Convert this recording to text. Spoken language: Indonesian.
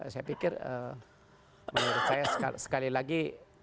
saya pikir menurut saya sekali lagi